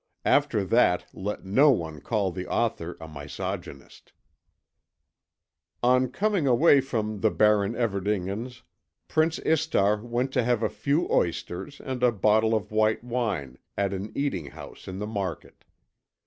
AFTER THAT LET NO ONE CALL THE AUTHOR A MISOGYNIST On coming away from the Baron Everdingen's, Prince Istar went to have a few oysters and a bottle of white wine at an eating house in the Market.